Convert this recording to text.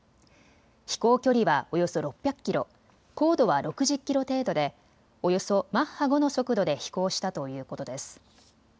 飛行距離はおよそ６００キロ、高度は６０キロ程度でおよそマッハ５の速度で飛行したということです。